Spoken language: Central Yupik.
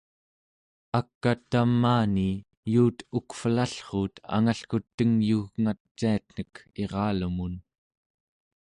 ak'a tamaani yuut ukvelallruut angalkut tengyugngaciatnek iralumun